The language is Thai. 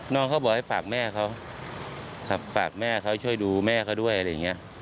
เขาบอกให้ฝากแม่เขาครับฝากแม่เขาช่วยดูแม่เขาด้วยอะไรอย่างนี้